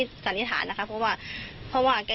แต่กับสองสามีภรรยานั้นเรารู้แค่ว่าเขาทำธุรกิจด้วยกัน